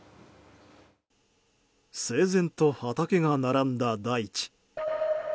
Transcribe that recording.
整然と畑が並んだ大地。